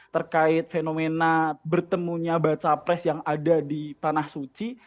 terkait fenomena bertemunya baca pres yang ada di tanah suci